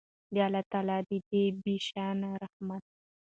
د الله تعالی د دې بې شانه رحمت